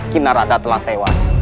kinarada telah tewas